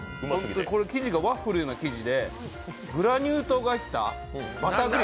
生地がワッフルのような生地でグラニュー糖が入ったバタークリーム？